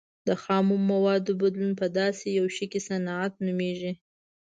د خامو موادو بدلون په داسې یو شي صنعت نومیږي.